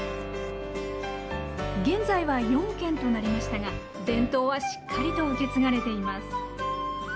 現在は４軒となりましたが伝統は、しっかりと受け継がれています。